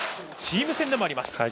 チーム戦でもあります。